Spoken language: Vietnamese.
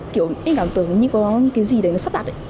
kiểu em cảm tưởng như có cái gì đấy nó sắp đặt đấy